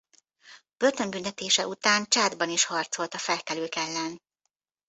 Börtönbüntetése után Csádban is harcolt a felkelők ellen.